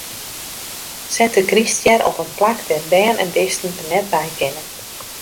Set de kryststjer op in plak dêr't bern en bisten der net by kinne.